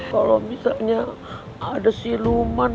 kalau misalnya ada si luman